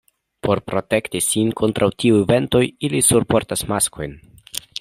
Por protekti sin kontraŭ tiuj ventoj, ili surportas maskojn.